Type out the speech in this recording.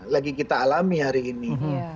lagi kita alami hari ini